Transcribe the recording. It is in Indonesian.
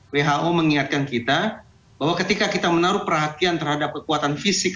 who mengingatkan kita bahwa ketika kita menaruh perhatian terhadap kekuatan fisik